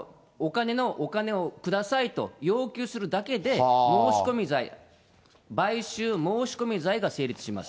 お金を下さいと要求するだけで、申込罪、買収申込罪が成立します。